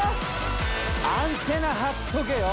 アンテナ張っとけよ。